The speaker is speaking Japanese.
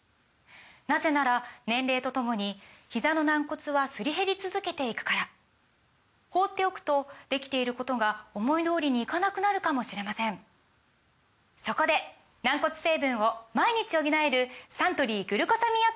なぜなら年齢とともにひざの軟骨はすり減り続けていくから放っておくとできていることが思い通りにいかなくなるかもしれませんそこで軟骨成分を毎日補えるサントリー「グルコサミンアクティブ」！